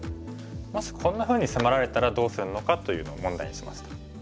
もしこんなふうに迫られたらどうするのかというのを問題にしました。